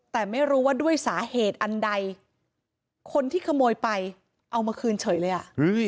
แต่ไม่รู้ว่าด้วยสาเหตุอันใดคนที่ขโมยไปเอามาคืนเฉยเลยอ่ะ